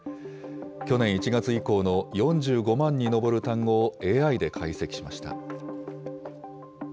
去年１月以降の４５万に上る単語をＡＩで解析しました。